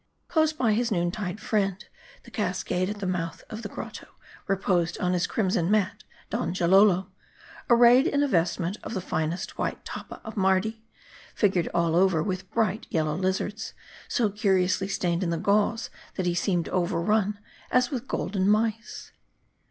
Close by his noon tide friend, the cascade .at the mouth of the grotto, reposed on his crimson mat, Donjalolo : ar rayed in a vestment of the finest white tappa of Mardi, fig ured all over with bright yellow lizards, so curiously stained in the gauze, that he seemed overrun, as with golden mice.